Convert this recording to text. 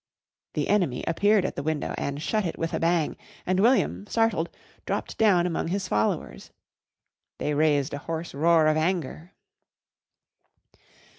The enemy appeared at the window and shut it with a bang, and William, startled, dropped down among his followers. They raised a hoarse roar of anger.